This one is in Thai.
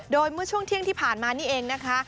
โดยเมื่อช่วงเที่ยงที่ผ่านมานี่เองนะคะ